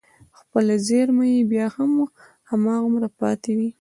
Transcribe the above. خپله زېرمه يې بيا هم هماغومره پاتې وي.